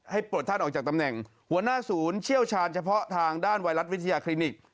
ปลดท่านออกจากตำแหน่งหัวหน้าศูนย์เชี่ยวชาญเฉพาะทางด้านไวรัสวิทยาคลินิก